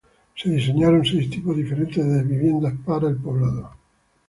Se diseñaron seis tipos diferentes de viviendas para el poblado.